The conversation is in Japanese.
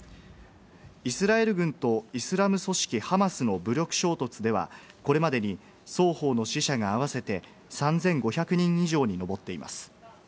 イスラエル軍とイスラム組織・ハマスの武力衝突では、これまでに双方の死者が合わせて３５００人以上に上っています。